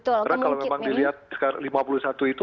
karena kalau memang dilihat lima puluh satu itu